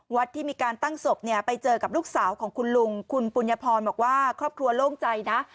ที่มีการตั้งศพเนี่ยไปเจอกับลูกสาวของคุณลุงคุณปุญญพรบอกว่าครอบครัวโล่งใจนะ